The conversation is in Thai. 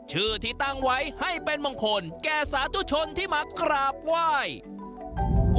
ชื่อที่ตั้งไว้ให้เป็นมงคลแก่สาธุชนที่มากราบไหว้